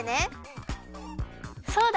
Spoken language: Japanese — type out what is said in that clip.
そうだ！